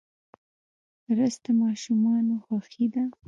رس د ماشومانو خوښي ده